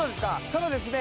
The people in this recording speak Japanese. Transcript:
ただですね